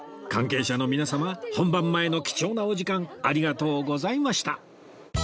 関係者の皆様本番前の貴重なお時間ありがとうございました